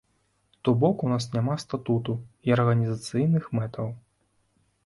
То бок у нас няма статуту і арганізацыйных мэтаў.